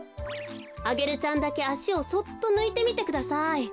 アゲルちゃんだけあしをそっとぬいてみてください。